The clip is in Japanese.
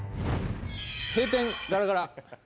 閉店ガラガラ。